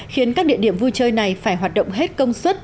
khiến các địa điểm vui chơi này phải hoạt động hết công suất